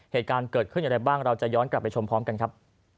เหตุการณ์เกิดขึ้นอย่างไรบ้างเราจะย้อนกลับไปชมพร้อมกันครับ